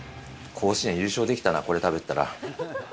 甲子園優勝できたな、これ食べてたら。